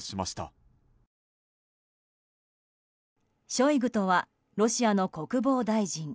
ショイグとはロシアの国防大臣。